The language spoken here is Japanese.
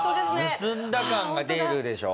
盗んだ感が出るでしょ？